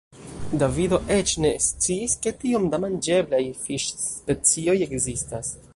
Davido eĉ ne sciis, ke tiom da manĝeblaj fiŝspecioj ekzistas.